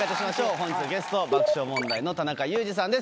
本日のゲスト、爆笑問題の田中裕二さんです。